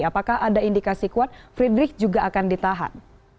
apakah ada indikasi kuat frederick juga akan ditahan